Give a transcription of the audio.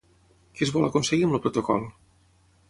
Què es vol aconseguir amb el protocol?